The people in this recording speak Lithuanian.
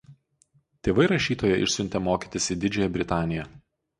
Tėvai rašytoją išsiuntė mokytis į Didžiąją Britaniją.